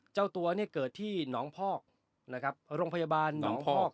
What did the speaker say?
เจ้าตัวเนี่ยเกิดที่หนองพอกนะครับโรงพยาบาลหนองพอก